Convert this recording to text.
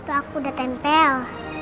aku udah tempel